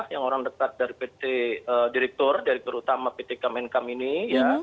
yang orang dekat dari pt direktur dari terutama pt kemen kamen ini ya